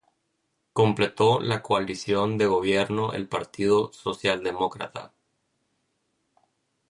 Completó la coalición de gobierno el Partido Socialdemócrata.